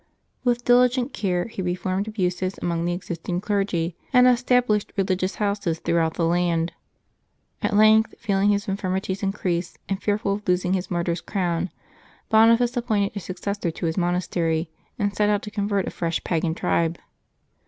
With diligent care he reformed abuses among the existing clergy, and estab lished religious houses throughout the land. At length, feeling his infirmities increase, and fearful of losing his martyr's crown, Boniface appointed a successor to his monastery, and set out to convert a fresh pagan tribe.